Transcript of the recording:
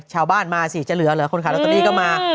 ชาวบ้านมาสิจะเหลือเหรอคนขัดดัวตะมิ่กับมา